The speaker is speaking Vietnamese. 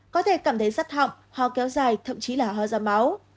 có thể cảm thấy rắt họng ho kéo dài thậm chí là ho ra máu